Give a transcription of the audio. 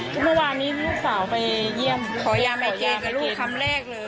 เมื่อวานนี้ลูกสาวไปเยี่ยมขอยามไอแกกับลูกคำแรกเลย